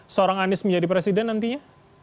seorang anies menjadi presiden nantinya